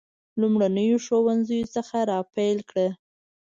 لومړنیو ښوونځیو څخه را پیل کړه.